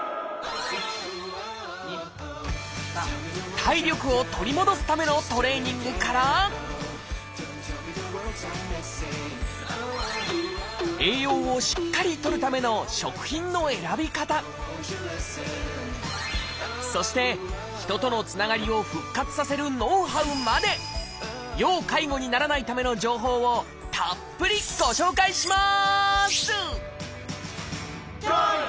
体力を取り戻すためのトレーニングから栄養をしっかりとるための食品の選び方そして人とのつながりを復活させるノウハウまで要介護にならないための情報をたっぷりご紹介します！